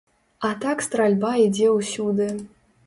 А так стральба ідзе ўсюды.